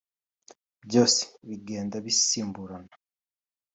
byose bigenda bisimburana